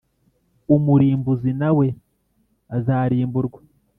Umurimbuzi na we azarimburwa